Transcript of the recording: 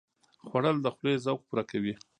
خوړل د خولې ذوق پوره کوي